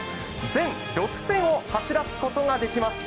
全６線を走らせることができます。